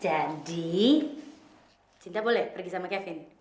jadi cinta boleh pergi sama kevin